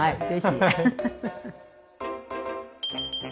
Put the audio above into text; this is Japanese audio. はい。